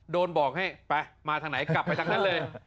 บอกให้ไปมาทางไหนกลับไปทางนั้นเลย